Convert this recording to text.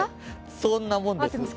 そんなもんです。